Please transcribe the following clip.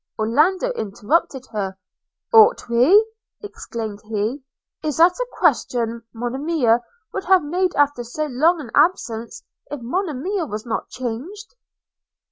– Orlando interrupted her: 'Ought we!' exclaimed he. 'Is that a question, Monimia would have made after so long an absence, if Monimia was not changed?'